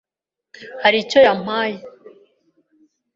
hari icyo yampaye?